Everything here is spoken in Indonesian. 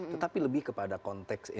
tetapi lebih kepada konteks